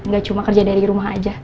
gak cuma kerja dari rumah aja